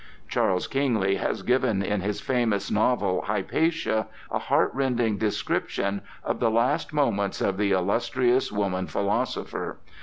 Charles Kingsley has given in his famous novel, "Hypatia," a heart rending description of the last moments of the illustrious woman philosopher.